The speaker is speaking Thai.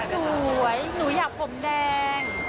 อันนี้สวยหนูอยากผมแดง